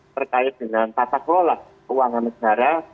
terkait dengan tatak rola keuangan negara